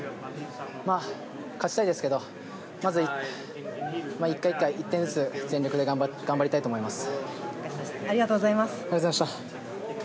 勝ちたいですけどまず１回１回、１点ずつ全力で頑張りたいと思います。